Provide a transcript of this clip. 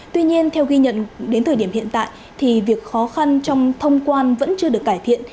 tuy nhiên theo ghi nhận đến thời điểm hiện tại thì việc khó khăn trong thông quan vẫn chưa được cải thiện